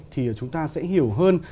thì chúng ta sẽ hiểu hơn